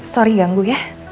sorry ganggu ya